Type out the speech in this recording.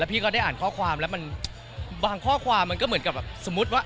พี่ก็ได้อ่านข้อความแล้วมันบางข้อความมันก็เหมือนกับแบบสมมุติว่า